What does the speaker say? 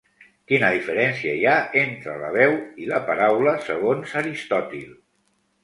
Quina diferència hi ha entre la veu i la paraula, segons Aristòtil?